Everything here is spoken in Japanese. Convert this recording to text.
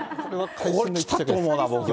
これ、来たと思うな、僕。